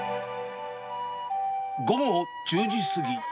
午後１０時過ぎ。